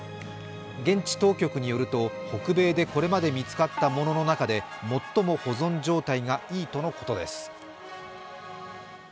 現地当局によると北米でこれまで見つかったものの中で最も保存状態がいいとのことです。